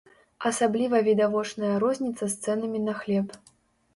Асабліва відавочная розніца з цэнамі на хлеб.